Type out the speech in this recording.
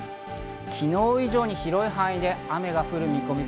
昨日以上に広い範囲で雨が降る見込み。